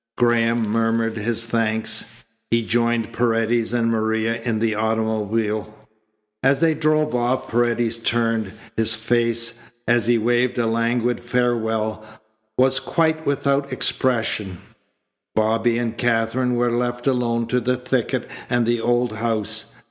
Graham murmured his thanks. He joined Paredes and Maria in the automobile. As they drove off Paredes turned. His face, as he waved a languid farewell, was quite without expression. Bobby and Katherine were left alone to the thicket and the old house.